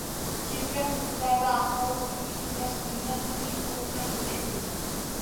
Chekka hududlarda aholi uchun chuqurlashtirilgan tibbiy ko‘rik tashkil etildi